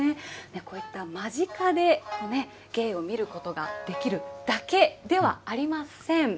こういった間近で芸を見ることができるだけではありません。